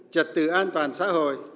trật tự an toàn xã hội